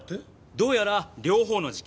どうやら両方の事件